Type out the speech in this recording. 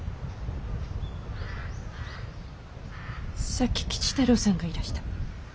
さっき吉太郎さんがいらしたわ。